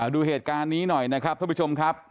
ดูเหตุการณ์นี้หน่อยนะครับท่านผู้ชมครับ